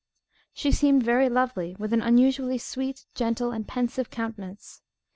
She seemed very lovely, with an unusually sweet, gentle, and pensive countenance.